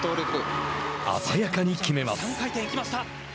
鮮やかに決めます。